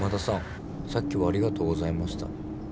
さっきはありがとうございました。